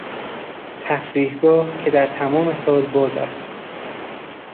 تفریحگاه که در تمام سال باز است.